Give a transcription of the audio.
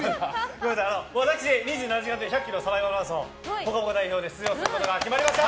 私、「２７時間テレビ」で１００ｋｍサバイバルマラソンに「ぽかぽか」代表で出場することが決まりました。